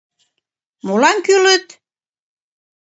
Молан кӱлыт?